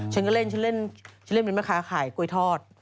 ฉันก็เล่นเป็นมะคะขายกล้วยทอด